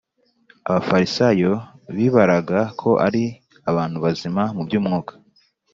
abafarisayo bibaraga ko ari abantu bazima mu by’umwuka,